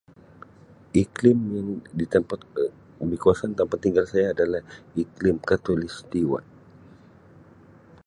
Iklim yang di tempat Um di kawasan tempat tinggal saya adalah iklim Khatalustiwa.